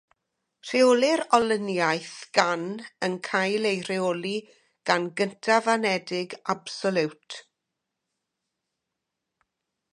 Rheolir olyniaeth gan yn cael ei rheoli gan gyntaf-anedig absoliwt.